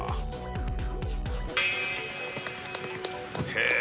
へえ！